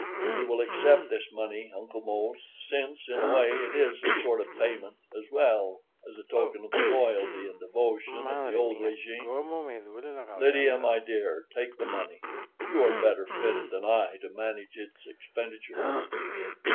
We will accept this money, Uncle Mose, since, in a way, it is a sort of payment, as well as a token of the loyalty and devotion of the old régime. Lydia, my dear, take the money. You are better fitted than I to manage its expenditure."